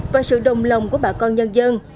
và sự đồng lòng của bà con nhân dân